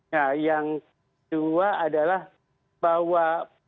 nah yang kedua adalah bahwa